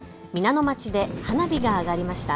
今月、皆野町で花火が上がりました。